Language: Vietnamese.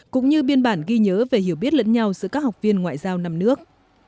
cũng như biên bản ghi nhớ về hiểu biết lẫn nhau giữa các học viên ngoại giao năm nước